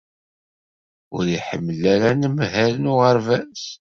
Ur iḥemmel ara anemhal n uɣerbaz.